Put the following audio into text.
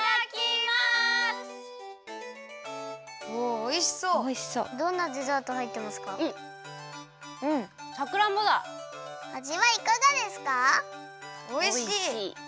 おいしい！